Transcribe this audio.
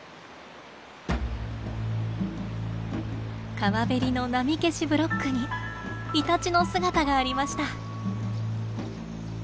川べりの波消しブロックにイタチの姿がありました。